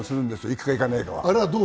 行くか、行かないかは。